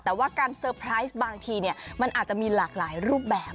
แต่ว่าการเตอร์ไพรส์บางทีมันอาจจะมีหลากหลายรูปแบบ